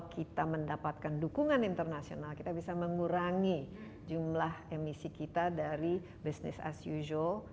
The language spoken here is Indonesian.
kita mendapatkan dukungan internasional kita bisa mengurangi jumlah emisi kita dari business as usual